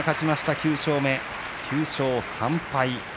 ９勝目、９勝３敗。